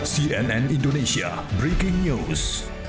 cnn indonesia breaking news